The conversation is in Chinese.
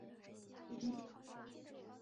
科翁人口变化图示